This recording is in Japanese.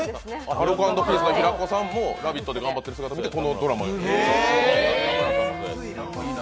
アルコ＆ピースの平子さんも「ラヴィット！」で頑張ってる姿を見てこのドラマに出て。